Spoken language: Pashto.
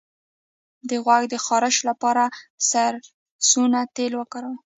د غوږ د خارش لپاره د سرسونو تېل وکاروئ